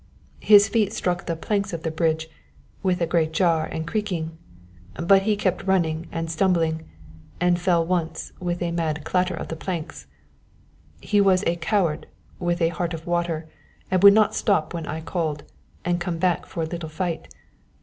His feet struck the planks of the bridge with a great jar and creaking, but he kept running and stumbled and fell once with a mad clatter of the planks. He was a coward with a heart of water, and would not stop when I called, and come back for a little fight.